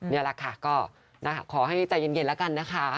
นี่แหละค่ะก็ขอให้ใจเย็นแล้วกันนะคะ